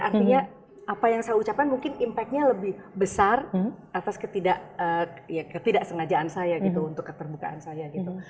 artinya apa yang saya ucapkan mungkin impactnya lebih besar atas ketidaksengajaan saya gitu untuk keterbukaan saya gitu